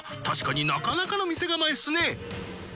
確かになかなかの店構えっすね